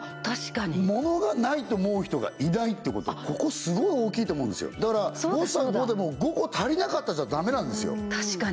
確かにものがないと思う人がいないってことここすごい大きいと思うんですよだから誤差が５でも５個足りなかったじゃダメなんですよ